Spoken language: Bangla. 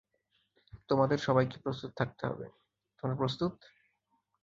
তোমাদের সবাইকে প্রস্তুত থাকতে হবে - তোমরা প্রস্তুত?